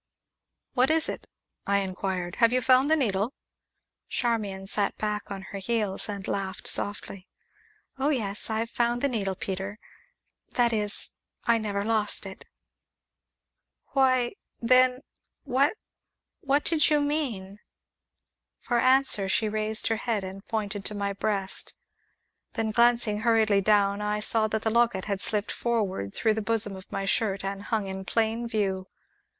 "What is it?" I inquired. "Have you found the needle?" Charmian sat back on her heels, and laughed softly. "Oh, yes, I've found the needle, Peter, that is I never lost it." "Why, then what what did you mean ?" For answer, she raised her hand and pointed to my breast. Then, glancing hurriedly down, I saw that the locket had slipped forward through the bosom of my shirt, and hung in plain view.